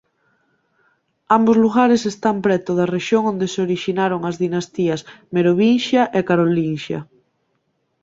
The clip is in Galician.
Ambos lugares están preto da rexión onde se orixinaron as dinastías merovinxia e carolinxia.